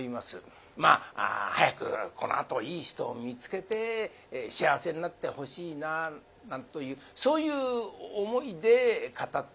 まあ早くこのあといい人を見つけて幸せになってほしいなあなんというそういう思いで語っております。